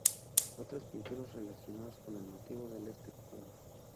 Otras pinturas relacionadas con el motivo del este cuadro